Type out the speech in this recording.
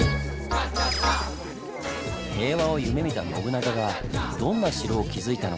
平和を夢見た信長がどんな城を築いたのか？